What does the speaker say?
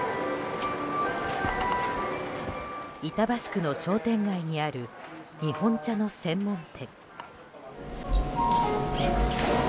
板橋区の商店街にある日本茶の専門店。